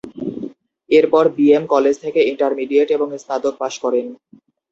এরপর B M college থেকে intermediate এবং স্নাতক পাস করেন।